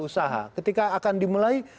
usaha ketika akan dimulai